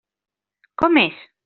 Com és?